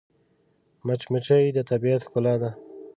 مچمچۍ د طبیعت ښکلا ده